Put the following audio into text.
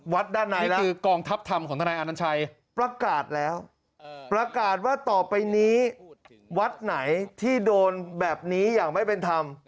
ว่าต่อไปนี้วัดไหนที่โดนแบบนี้อย่างไม่เป็นธรรม